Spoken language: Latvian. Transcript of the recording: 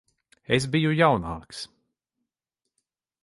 Es biju jaunāks.